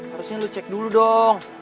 harusnya lu cek dulu dong